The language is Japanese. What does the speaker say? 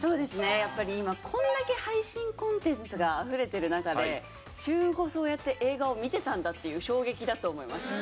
やっぱり今こんだけ配信コンテンツがあふれてる中で週５そうやって映画を見てたんだっていう衝撃だと思います。